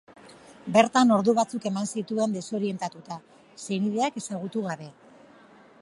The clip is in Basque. Bertan ordu batzuk eman zituen desorientatuta, senideak ezagutu gabe.